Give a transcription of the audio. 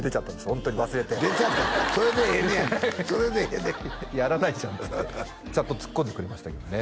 ホントに忘れて出ちゃったそれでええねやそれでええねんやらないじゃんっつってちゃんとツッコんでくれましたけどね